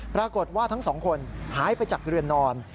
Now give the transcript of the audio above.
ปรากฏว่าทั้งสองคนหายไปจากเรือนนอน